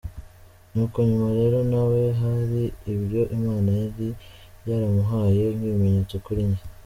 Nuko nyuma rero na we hari ibyo Imana yari yaramuhaye nk’ibimenyetso kuri njye.